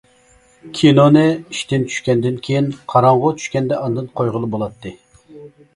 كىنونى ئىشتىن چۈشكەندىن كېيىن، قاراڭغۇ چۈشكەندە ئاندىن قويغىلى بولاتتى.